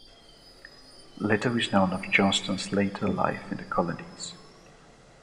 Little is known of Johnston's later life in the colonies.